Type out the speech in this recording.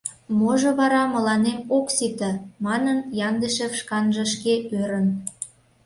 Можо вара мыланем ок сите?» — манын, Яндышев шканже шке ӧрын.